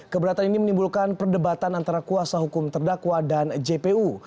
keberatan ini menimbulkan perdebatan antara kuasa hukum terdakwa dan jpu